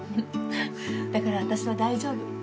だから私は大丈夫。